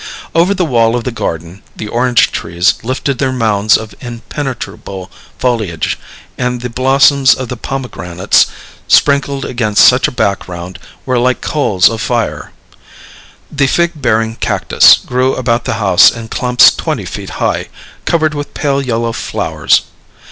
Over the wall of the garden the orange trees lifted their mounds of impenetrable foliage; and the blossoms of the pomegranates, sprinkled against such a background, were like coals of fire. The fig bearing cactus grew about the house in clumps twenty feet high, covered with pale yellow flowers.